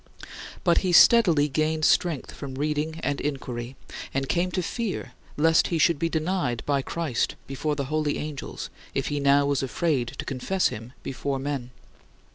But he steadily gained strength from reading and inquiry, and came to fear lest he should be denied by Christ before the holy angels if he now was afraid to confess him before men.